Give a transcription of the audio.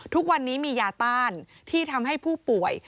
ทุกวันนี้มียาต้านที่ทำให้ผู้ป่วย